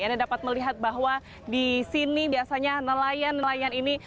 anda dapat melihat bahwa di sini biasanya nelayan nelayan ini